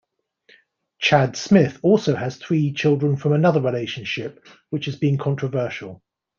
Chad Smith also has three children from another relationship, which has been controversial.